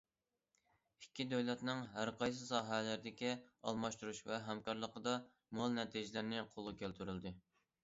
ئىككى دۆلەتنىڭ ھەرقايسى ساھەلەردىكى ئالماشتۇرۇش ۋە ھەمكارلىقىدا مول نەتىجىلەرنى قولغا كەلتۈرۈلدى.